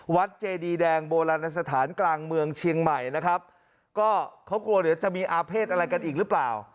เจดีแดงโบราณสถานกลางเมืองเชียงใหม่นะครับก็เขากลัวเดี๋ยวจะมีอาเภษอะไรกันอีกหรือเปล่า